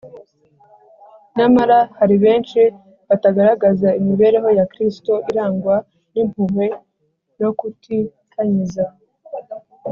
nyamara hari benshi batagaragaza imibereho ya kristo irangwa n’impuhwe no kutikanyiza